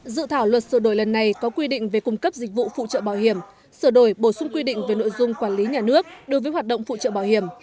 dự thảo luật sửa đổi lần này có quy định về cung cấp dịch vụ phụ trợ bảo hiểm sửa đổi bổ sung quy định về nội dung quản lý nhà nước đối với hoạt động phụ trợ bảo hiểm